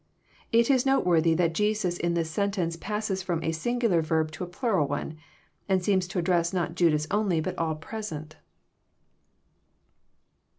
It is noteworthy that Jesus in this sentence passes fi*om a singular verb to a plural one, and seems to address not Judas only, but all present.